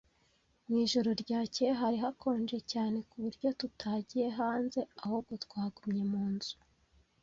Mu ijoro ryakeye hari hakonje cyane, ku buryo tutagiye hanze, ahubwo twagumye mu nzu.